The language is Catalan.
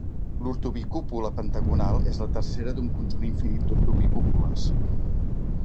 L'ortobicúpula pentagonal és la tercera d'un conjunt infinit d'ortobicúpules.